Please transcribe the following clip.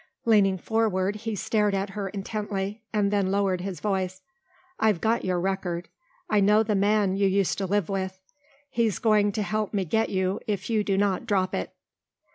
Leaning forward, he stared at her intently, and then lowered his voice. "I've got your record. I know the man you used to live with. He's going to help me get you if you do not drop it."